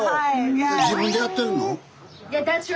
自分でやってるの？